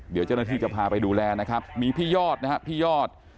เดี๋ยวเจ้าหน้าที่จะพาไปดูแลนะครับมีพี่ยอดนะครับพี่ยอด